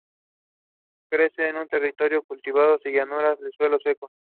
Crece en terrenos cultivados o llanuras de suelo seco.